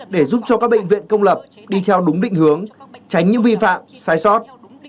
để giúp cho các bệnh viện công lập đi theo đúng định hướng tránh những vi phạm sai sót